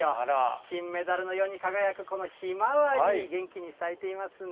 金メダルのように輝く、このひまわり、元気に咲いていますね。